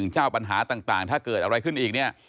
เจ้าปัญหาต่างถ้าเกิดอะไรขึ้นอีกเนี่ย